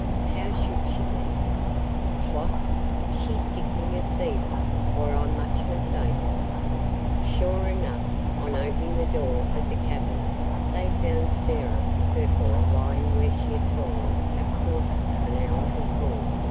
"How should she be? Plot! She's sickening of fever, or I'm much mistaken." Sure enough, on opening the door of the cabin, they found Sarah Purfoy lying where she had fallen a quarter of an hour before.